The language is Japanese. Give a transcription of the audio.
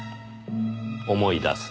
「思い出す。